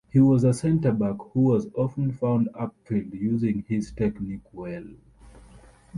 He was a centre back who was often found upfield using his technique well.